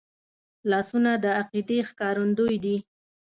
لاسونه د عقیدې ښکارندوی دي